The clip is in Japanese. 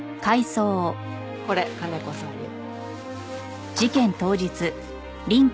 これ金子さんの。